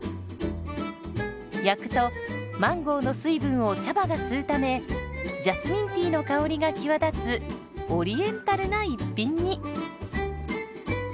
焼くとマンゴーの水分を茶葉が吸うためジャスミンティーの香りが際立つオリエンタルな一品に。